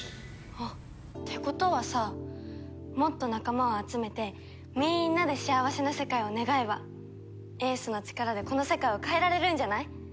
あっってことはさもっと仲間を集めてみんなで幸せな世界を願えば英寿の力でこの世界を変えられるんじゃない？